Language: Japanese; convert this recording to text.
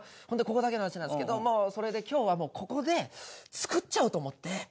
ホントここだけの話なんですけどそれで今日はここで作っちゃおうと思って。